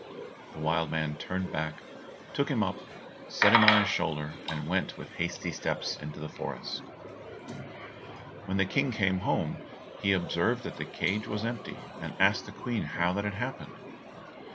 The wild man turned back, took him up, set him on his shoulder, and went with hasty steps into the forest. When the King came home, he observed the empty cage, and asked the Queen how that had happened?